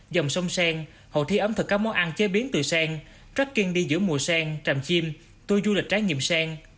dòng sông sen hội thi ấm thực các món ăn chế biến từ sen tracking đi giữa mùa sen tràm chim tui du lịch trái nghiệm sen